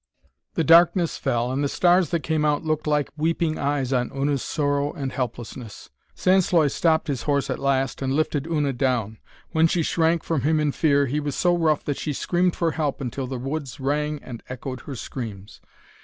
The darkness fell, and the stars that came out looked down like weeping eyes on Una's sorrow and helplessness. Sansloy stopped his horse at last and lifted Una down. When she shrank from him in fear, he was so rough that she screamed for help until the woods rang and echoed her screams.